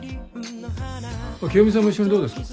清美さんも一緒にどうですか？